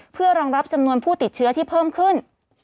เพื่อรองรับจำนวนผู้ติดเชื้อที่เพิ่มขึ้น